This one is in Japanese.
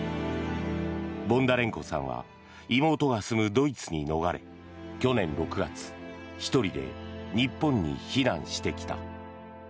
ボンダレンコさんは妹が住むドイツに逃れ去年６月１人で日本に避難してきた。